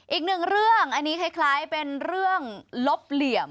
อีกหนึ่งเรื่องอันนี้คล้ายเป็นเรื่องลบเหลี่ยม